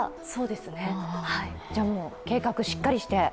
じゃ、もう計画をしっかりして。